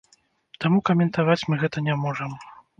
Таму каментаваць мы гэта не можам.